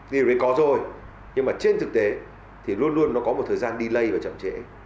thì có rồi nhưng mà trên thực tế thì luôn luôn nó có một thời gian delay và chậm trễ